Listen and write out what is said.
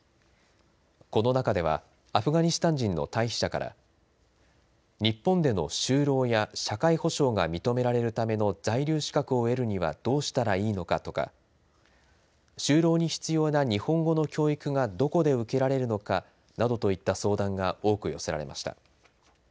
この中ではアフガニスタン人の退避者から日本での就労や社会保障が認められるための在留資格を得るにはどうしたらいいのかとか就労に必要な日本語の教育がどこで受けられるのかなどといった相談が多く寄せられました。